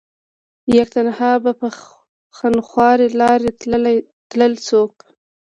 يک تنها به په خونخوارې لارې تلل څوک